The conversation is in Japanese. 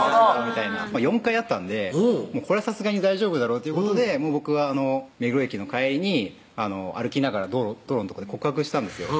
４回会ったんでこれはさすがに大丈夫だろうということで僕は目黒駅の帰りに歩きながら道路のとこで告白したんですよ